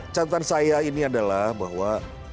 catatan saya ini adalah bahwa